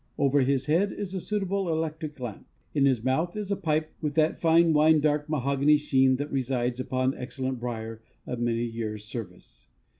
Over his head is a suitable electric lamp. In his mouth is a pipe with that fine wine dark mahogany sheen that resides upon excellent briar of many years' service.